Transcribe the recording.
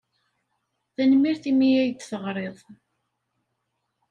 Tanemmirt imi ay d-teɣriḍ.